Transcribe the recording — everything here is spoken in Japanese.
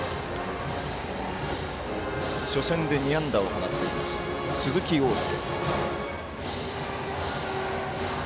初戦で２安打を放っています鈴木凰介。